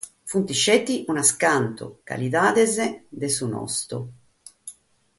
Sunt petzi unas cantas calidades de su nostru.